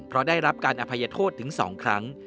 เพราะได้รับการอภัยโทษถึง๒ครั้ง